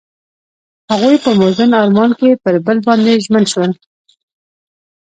هغوی په موزون آرمان کې پر بل باندې ژمن شول.